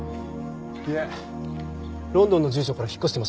いえロンドンの住所から引っ越してました。